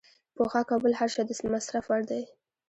پوښاک او بل هر شی د مصرف وړ دی.